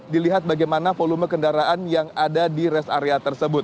dilihat bagaimana volume kendaraan yang ada di rest area tersebut